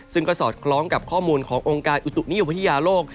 ซึ่งก็สอดคล้องกับข้อมูลขององค์การอุตุนิยมวิทยาโลก